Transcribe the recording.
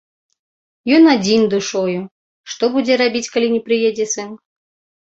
Ён адзін душою, што будзе рабіць, калі не прыедзе сын?